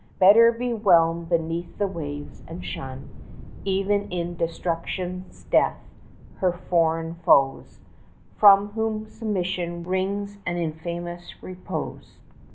Better be whelmed beneath the waves, and shun, Even in destruction's death, her foreign foes, From whom submission wrings an infamous repose.